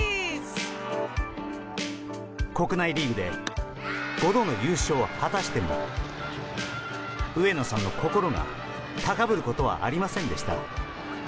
国内リーグで５度の優勝を果たしても上野さんの心が高ぶることはありませんでした。